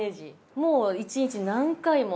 もう１日何回も。